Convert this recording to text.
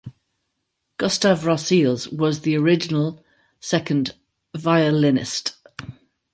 Gustave Rosseels was the original second violinist.